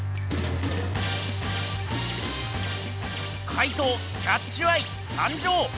怪盗キャッチュ・アイ参上！